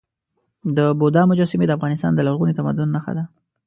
د بودا مجسمې د افغانستان د لرغوني تمدن نښه ده.